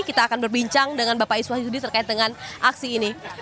kita akan berbincang dengan bapak iswah yudi terkait dengan aksi ini